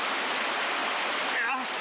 よし。